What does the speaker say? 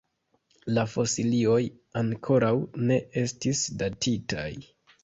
La fosilioj ankoraŭ ne estis datitaj.